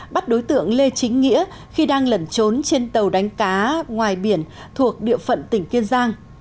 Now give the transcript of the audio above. bắt đối tượng lê chính nghĩa khi đang lẩn trốn trên tàu đánh cá ngoài biển thuộc địa phận tỉnh kiên giang